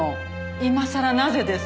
今さらなぜです？